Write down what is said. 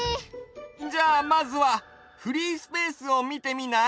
じゃあまずはフリースペースをみてみない？